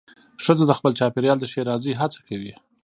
ښځه د خپل چاپېریال د ښېرازۍ هڅه کوي.